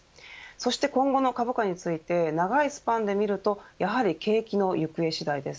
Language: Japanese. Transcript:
そして今後の株価について長いスパンで見るとやはり景気の行方次第です。